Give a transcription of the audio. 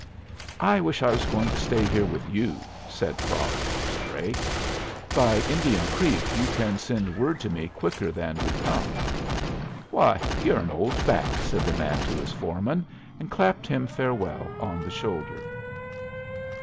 "I wish I was going to stay here with you," said Brock to Drake. "By Indian Creek you can send word to me quicker than we've come." "Why, you're an old bat!" said the boy to his foreman, and clapped him farewell on the shoulder.